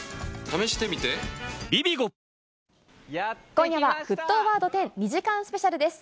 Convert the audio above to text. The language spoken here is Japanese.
今夜は、沸騰ワード１０、２時間スペシャルです。